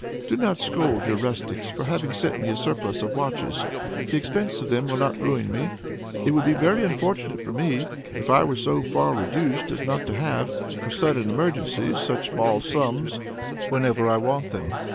Do not scold your rustics for having sent me a surplus of watches. The expense of them will not ruin me. It would be very unfortunate for me if I were so far reduced as not to have, for sudden emergencies, such small sums whenever I want them.